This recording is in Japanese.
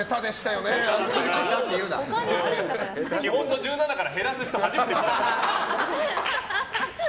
基本の１７から減らす人初めて見た。